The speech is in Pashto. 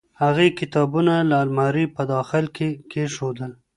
هغې کتابونه د المارۍ په داخل کې کېښودل.